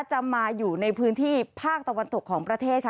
จะมาอยู่ในพื้นที่ภาคตะวันตกของประเทศค่ะ